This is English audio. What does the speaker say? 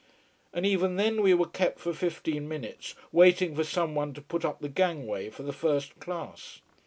And even then we were kept for fifteen minutes waiting for someone to put up the gangway for the first class.